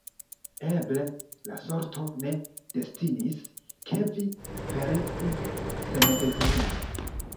Eble, la sorto ne destinis, ke vi pereu senbezone.